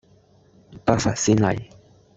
不乏先例